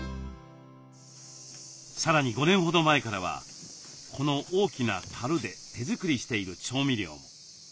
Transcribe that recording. さらに５年ほど前からはこの大きなたるで手作りしている調味料も。